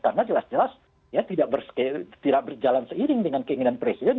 karena jelas jelas ya tidak berjalan seiring dengan keinginan presiden